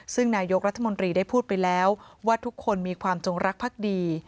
ซึ่งนายกรัฐมนตรีได้พูดไปแล้วว่าทุกคนมีความจงรักภักดี